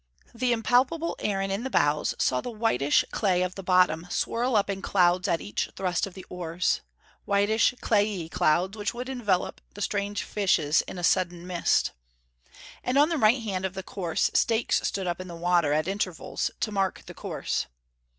The impalpable Aaron in the bows saw the whitish clay of the bottom swirl up in clouds at each thrust of the oars, whitish clayey clouds which would envelope the strange fishes in a sudden mist. And on the right hand of the course stakes stood up in the water, at intervals, to mark the course.